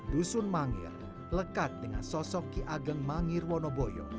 dusun mangir lekat dengan sosok ki ageng mangir wonoboyo